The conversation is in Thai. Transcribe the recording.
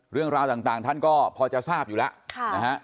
เรื่องราวต่างท่านก็พอจะทราบอยู่แล้วนะฮะ